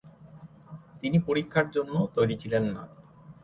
তিনি পরীক্ষার জন্য তৈরি ছিলেন না।